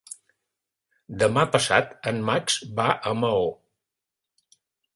Demà passat en Max va a Maó.